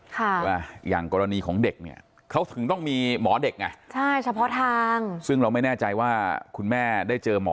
ใช่ไหมอย่างกรณีของเด็กเนี่ยเขาถึงต้องมีหมอเด็กไงใช่เฉพาะทางซึ่งเราไม่แน่ใจว่าคุณแม่ได้เจอหมอ